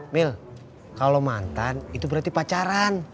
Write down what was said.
mil kalau mantan itu berarti pacaran